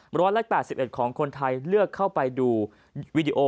ร้อยละ๘๑ของคนไทยเลือกเข้าไปดูวีดีโอ